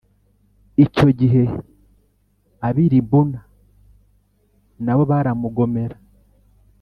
Icyo gihe ab’ i Libuna na bo baramugomera